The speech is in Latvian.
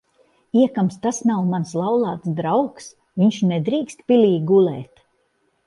Iekams tas nav mans laulāts draugs, viņš nedrīkst pilī gulēt.